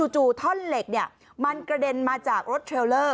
จู่ท่อนเหล็กมันกระเด็นมาจากรถเทรลเลอร์